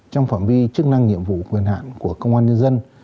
trong phạm vi chức năng nhiệm vụ quyền hạn của công an nhân dân